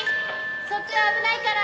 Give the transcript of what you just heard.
そっちは危ないから！